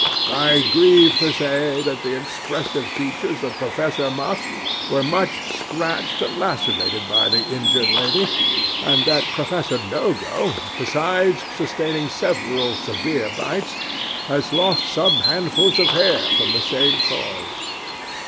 I grieve to say that the expressive features of Professor Muff were much scratched and lacerated by the injured lady; and that Professor Nogo, besides sustaining several severe bites, has lost some handfuls of hair from the same cause.